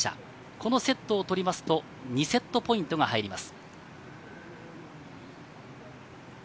このセットを取りますと２セットポイントが入ります。